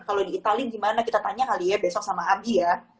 kalau di itali gimana kita tanya kali ya besok sama abi ya